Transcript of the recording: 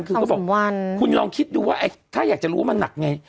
คือก็บอกสองสามวันคุณลองคิดดูว่าไอ้ถ้าอยากจะรู้ว่ามันหนักไง